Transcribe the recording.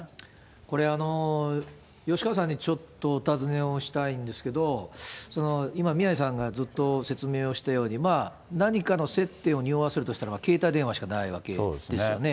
これ、吉川さんにちょっとお尋ねをしたいんですけど、今、宮根さんがずっと説明したように、何かの接点をにおわせるとしたら携帯電話しかないわけですよね。